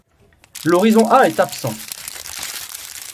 L'horizon A est absent.